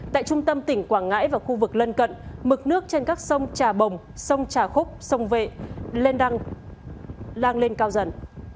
tại trung tâm tỉnh quảng ngãi và khu vực lân cận mực nước trên các sông trà bồng sông trà khúc sông vệ lên đăng lang lên cao dần